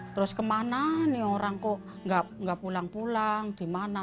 terus kemana nih orang kok nggak pulang pulang di mana